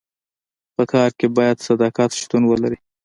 په کار کي باید صداقت شتون ولري.